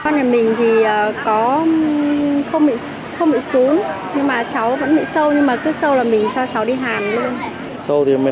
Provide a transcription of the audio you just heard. nhà mình thì không bị súng nhưng mà cháu vẫn bị sâu nhưng mà cứ sâu là mình cho cháu đi hàng luôn